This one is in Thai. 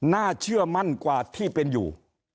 น่าเชื่อมั่นกว่าที่เป็นอยู่